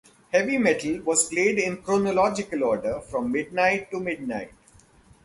Heavy metal was played in chronological order from midnight to midnight.